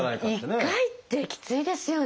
１時間に１回ってきついですよね。